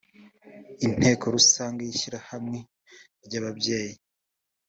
inteko rusange y’ishyirahamwe ry’ababyeyi